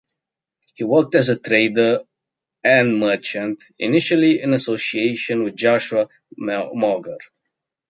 He worked as a trader and merchant, initially in association with Joshua Maugher.